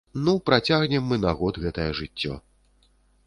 Ну, працягнем мы на год гэтае жыццё.